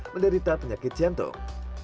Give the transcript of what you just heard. menderita penyakit jantung